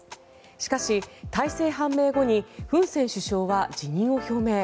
しかし大勢判明後にフン・セン首相は辞任を表明。